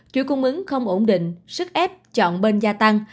chuỗi cung ứng không ổn định sức ép chọn bên gia tăng